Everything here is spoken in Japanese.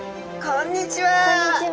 こんにちは。